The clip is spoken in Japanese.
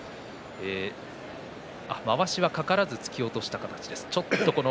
まわしはかからず突き落とした形です。